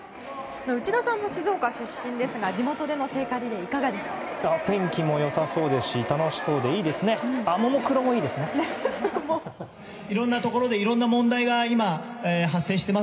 内田さんも静岡出身ですが地元での聖火リレー天気も良さそうですし楽しそうでいいですね。